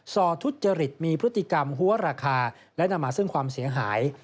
ซอทุจริตมีพฤติกรรมหัวราคาและนำมาซึ่งความเสียหาย